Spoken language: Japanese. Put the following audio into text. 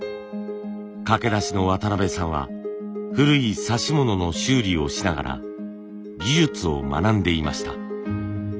駆け出しの渡邊さんは古い指物の修理をしながら技術を学んでいました。